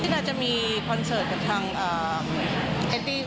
พี่นาจะมีคอนเสิร์ตกันทั้งเอตตี้